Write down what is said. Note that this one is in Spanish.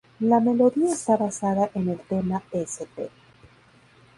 La melodía está basada en el tema "St.